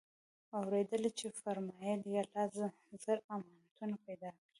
اورېدلي چي فرمايل ئې: الله زر امتونه پيدا كړي